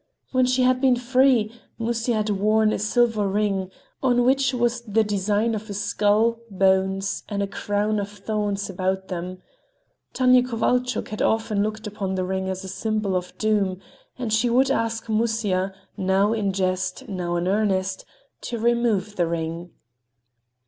When she had been free, Musya had worn a silver ring, on which was the design of a skull, bones, and a crown of thorns about them. Tanya Kovalchuk had often looked upon the ring as a symbol of doom, and she would ask Musya, now in jest, now in earnest, to remove the ring.